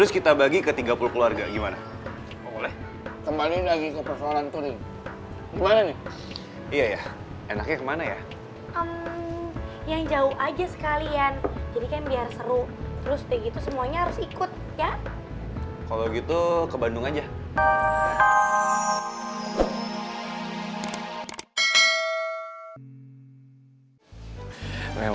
kalo gitu ke bandung aja